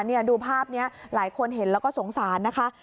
นี่ดูภาพนี้หลายคนเห็นแล้วก็สงสารนะคะ